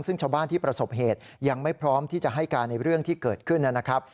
ซึ่งชาวบ้านที่ประสบเหตุยังไม่พร้อมที่จะให้การในเรื่องที่เกิดขึ้นนะครับ